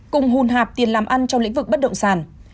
cùng hùn hạp tiền làm ăn trong lĩnh vực bất động sản